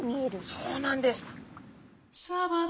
そうなんです。